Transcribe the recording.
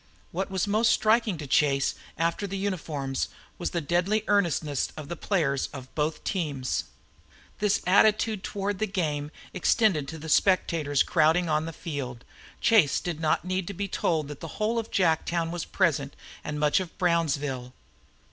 What was most striking to Chase, after the uniforms, was the deadly earnestness of the players of both teams. This attitude toward the game extended to the spectators crowding on the field. Chase did not need to be told that the whole of Jacktown was present and much of Brownsville.